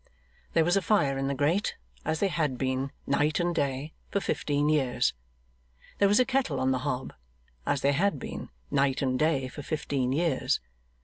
There was a fire in the grate, as there had been night and day for fifteen years. There was a kettle on the hob, as there had been night and day for fifteen years.